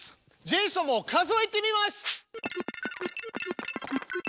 ジェイソンも数えてみます。